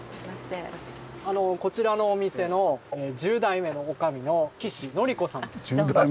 こちらのお店の１０代目のおかみの岸範子さんです。